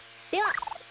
では。